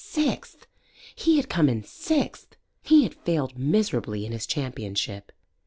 Sixth! He had come in sixth! He had failed miserably in his championship.